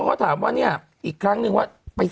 คุณแม่ซอสตรงไหนนี่